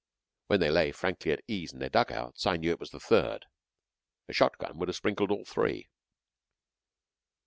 When they lay frankly at ease in their dug outs, I knew it was the third. A shot gun would have sprinkled all three.